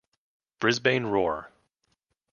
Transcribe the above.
Brisbane Roar